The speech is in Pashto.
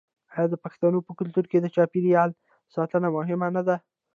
آیا د پښتنو په کلتور کې د چاپیریال ساتنه مهمه نه ده؟